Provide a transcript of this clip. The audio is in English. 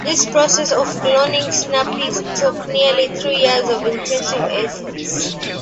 This process of cloning Snuppy took nearly three years of intensive effort.